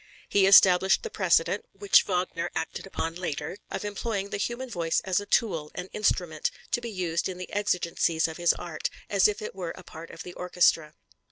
He established the precedent, which Wagner acted on later, of employing the human voice as a tool, an instrument, to be used in the exigencies of his art, as if it were a part of the orchestra.